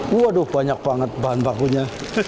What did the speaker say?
waduh banyak banget bahan bakunya